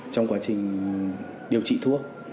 trong quá trình điều trị thuốc